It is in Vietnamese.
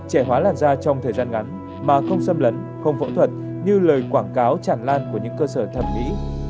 trẻ hóa làn da trong thời gian ngắn mà không xâm lấn không phẫu thuật như lời quảng cáo tràn lan của những cơ sở thẩm mỹ